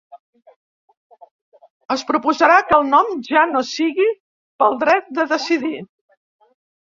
Es proposarà que el nom ja no sigui ‘pel dret de decidir’.